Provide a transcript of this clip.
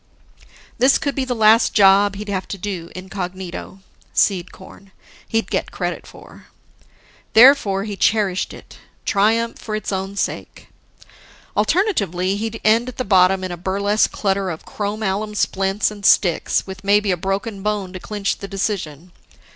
This could be the last job he'd have to do incognito Seed corn, he'd get credit for. Therefore, he cherished it: triumph for its own sake. Alternatively, he'd end at the bottom in a burlesque clutter of chrom alum splints and sticks, with maybe a broken bone to clinch the decision.